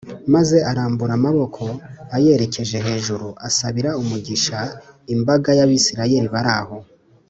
maze arambura amaboko ayerekeje hejuru asabira umugisha imbagay’abisirayeli bari aho.